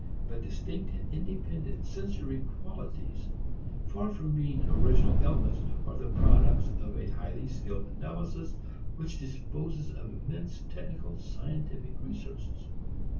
But distinct and independent sensory qualities, far from being original elements, are the products of a highly skilled analysis which disposes of immense technical scientific resources.